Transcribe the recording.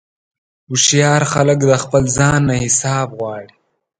هوښیار خلک د خپل ځان نه حساب غواړي.